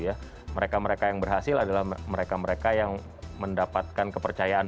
media pers gitu ya mereka mereka yang berhasil adalah mereka mereka yang mendapatkan kepercayaan